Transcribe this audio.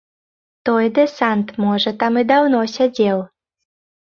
Той дэсант, можа, там і даўно сядзеў.